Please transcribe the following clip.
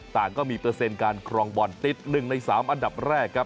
ต่างก็มีเปอร์เซ็นต์การครองบอลติด๑ใน๓อันดับแรกครับ